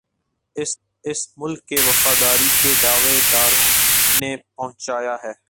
اس ملک کے وفاداری کے دعوے داروں نے پہنچایا ہے